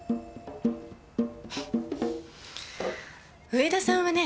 上田さんはね